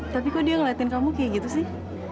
tapi kok dia ngeliatin kamu kayak gitu sih